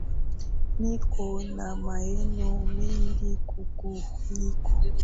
Niko na maeno mengi kukuliko